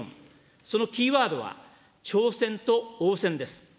そのキーワードは、挑戦と応戦です。